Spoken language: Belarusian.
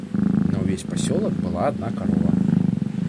На ўвесь пасёлак была адна карова.